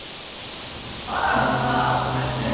さあさあお立ち会い。